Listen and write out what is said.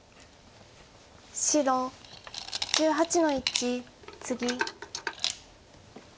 白１８の一ツギ。